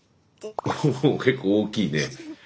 おお結構大きいね。